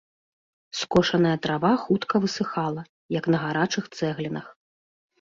Скошаная трава хутка высыхала, як на гарачых цэглінах.